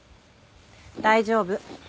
大丈夫。